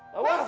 mau apa sih